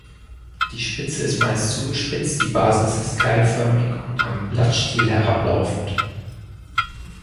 Die Spitze ist meist zugespitzt, die Basis ist keilförmig und am Blattstiel herablaufend.